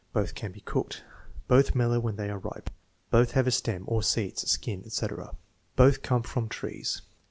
"Both can be cooked." "Both mellow when they are ripe." "Both have a stem" (or seeds, skin, etc.). "Both come from trees."